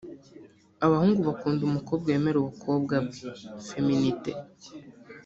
Abahungu bakunda umukobwa wemera ubukobwa bwe (feminité)